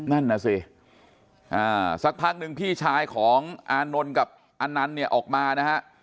นั่นน่ะสิสักพักนึงพี่ชายของอานนท์กับอานันต์เนี่ยออกมานะฮะ